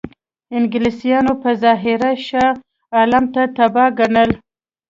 انګلیسانو په ظاهره شاه عالم ته تابع ګڼل.